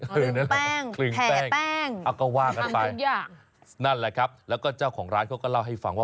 หรือแป้งแผ่แป้งทุกอย่างนั่นแหละครับแล้วก็เจ้าของร้านเขาก็เล่าให้ฟังว่า